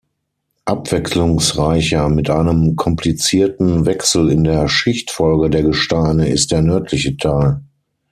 Abwechslungsreicher mit einem komplizierten Wechsel in der Schichtfolge der Gesteine ist der nördliche Teil.